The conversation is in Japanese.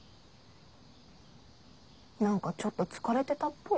なんかちょっとつかれてたっぽい？